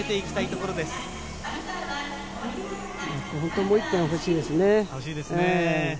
ここもう１点欲しいですね。